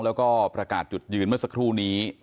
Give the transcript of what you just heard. แล้วก็ประกาศจุดยืนเมื่อสักครู่นี้